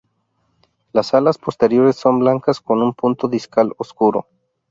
Las alas posteriores son blancas con un punto discal oscuro.